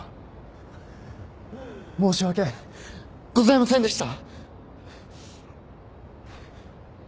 申し訳ございませんでした！